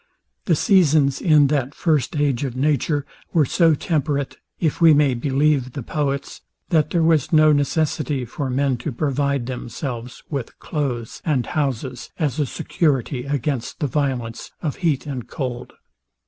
The seasons, in that first age of nature, were so temperate, if we may believe the poets, that there was no necessity for men to provide themselves with cloaths and houses as a security against the violence of heat and cold.